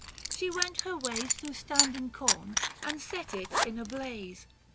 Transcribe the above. She went her ways Through standing corn, and set it in a blaze.